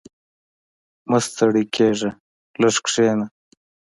• مه ستړی کېږه، لږ کښېنه.